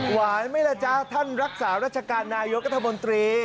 ไหมล่ะจ๊ะท่านรักษาราชการนายกัธมนตรี